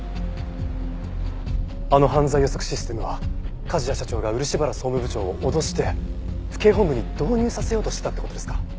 あの犯罪予測システムは梶谷社長が漆原総務部長を脅して府警本部に導入させようとしてたって事ですか？